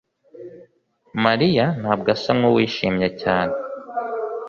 mariya ntabwo asa nkuwishimiye cyane